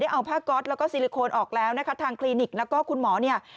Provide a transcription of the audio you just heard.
เอาผ้าก๊อตแล้วก็ซิลิโคนออกแล้วนะคะทางคลินิกแล้วก็คุณหมอเนี่ย